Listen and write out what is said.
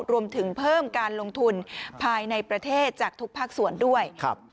รวมถึงเพิ่มการลงทุนภายในประเทศจากทุกภาคส่วนด้วย